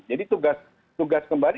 jadi tugas kembali